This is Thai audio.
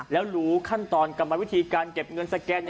แล้วรู้ขั้นตอนกรรมวิธีการเก็บเงินสแกน